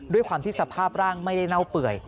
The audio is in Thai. ด้วยความที่สภาพร่างไม่ได้เน่าเปื่อย